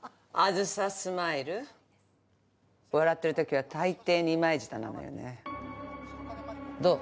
梓スマイル笑ってる時は大抵二枚舌なのよねどう？